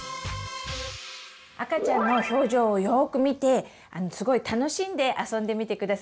赤ちゃんの表情をよく見てすごい楽しんで遊んでみてください。